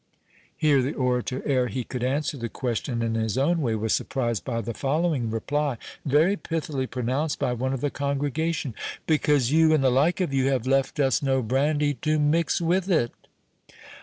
— Here the orator, ere he could answer the question in his own way, was surprised by the following reply, very pithily pronounced by one of the congregation:—"Because you, and the like of you, have left us no brandy to mix with it."